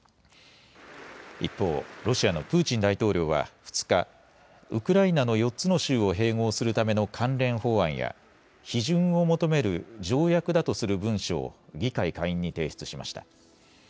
一方、ロシアのプーチン大統領は２日、ウクライナの４つの州を併合するための関連法案や批准を求める条約だとする文書を議会下院に提出しました。